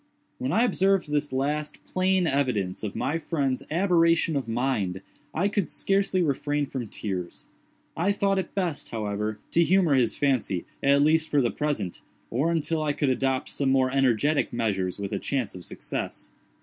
When I observed this last, plain evidence of my friend's aberration of mind, I could scarcely refrain from tears. I thought it best, however, to humor his fancy, at least for the present, or until I could adopt some more energetic measures with a chance of success.